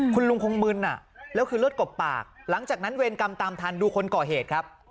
คุณลุงคงมึนแล้วคือเลือดกบปากหลังจากนั้นเวรกรรมตามทันดูคนก่อเหตุครับ